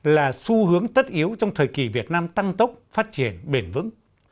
là xu hướng tất yếu trong thời kỳ việt nam tăng tốc phát triển bền vững